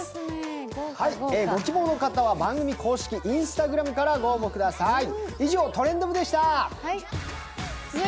ご希望の方は番組公式Ｉｎｓｔａｇｒａｍからご応募ください。